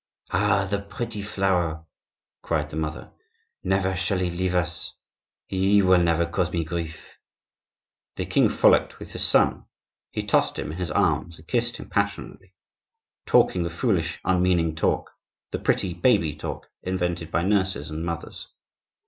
"Ah, the pretty flower!" cried the mother. "Never shall he leave us! He will never cause me grief." The king frolicked with his son; he tossed him in his arms, and kissed him passionately, talking the foolish, unmeaning talk, the pretty, baby language invented by nurses and mothers.